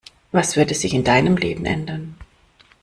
Was würde sich in deinem Leben ändern?